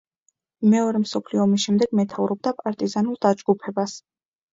მეორე მსოფლიო ომის შემდეგ მეთაურობდა პარტიზანულ დაჯგუფებას.